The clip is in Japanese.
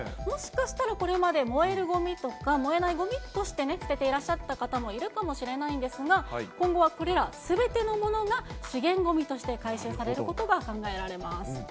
もしかしたら、これまで燃えるごみとか燃えないごみとしてね、捨てていらっしゃった方もいるかもしれないんですが、今後はこれらすべてのものが、資源ごみとして回収されることが考えられます。